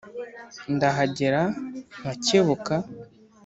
ndahagera nkacyebuka